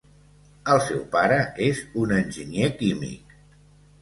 El seu pare és un enginyer químic.